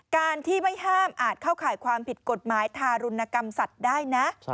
การที่ไม่ห้ามอาจเข้าข่ายความผิดกฎหมายทารุณกรรมสัตว์ได้นะ